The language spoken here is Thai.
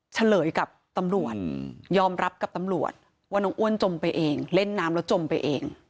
เฉลยกับตำรวจยอมรับกับตำรวจว่าน้องอ้วนจมไปเองเล่นน้ำแล้วจมไปเอง